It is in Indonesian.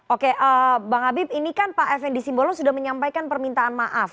oke bang habib ini kan pak fnd simbolon sudah menyampaikan permintaan maaf